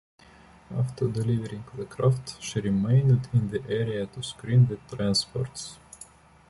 After delivering the craft, she remained in the area to screen the transports.